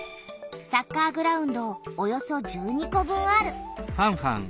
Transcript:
サッカーグラウンドおよそ１２個分ある。